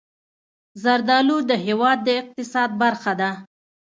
زردالو د هېواد د اقتصاد برخه ده.